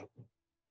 mùa hạnh phúc